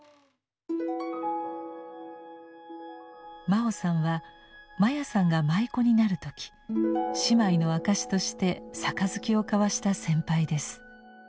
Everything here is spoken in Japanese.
真生さんは真矢さんが舞妓になる時姉妹の証しとして「盃」を交わした先輩です。